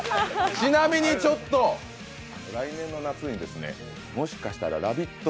ちなみにちょっと来年の夏にもしかしたらラヴィット！